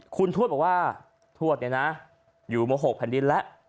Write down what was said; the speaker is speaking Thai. คุณทวดบอกว่าทวดอยู่มหกแผ่นดินแล้ว